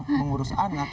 dapat uang untuk anak anak